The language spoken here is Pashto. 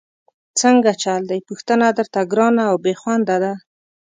څنګه چل دی، پوښتنه درته ګرانه او بېخونده ده؟!